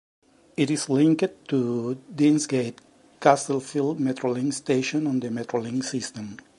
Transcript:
It is linked to Deansgate-Castlefield Metrolink station on the Metrolink system.